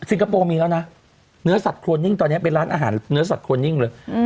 คโปร์มีแล้วนะเนื้อสัตวนิ่งตอนนี้เป็นร้านอาหารเนื้อสัตวนิ่งเลย